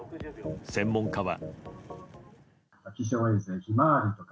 専門家は。